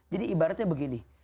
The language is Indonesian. jadi ibaratnya begini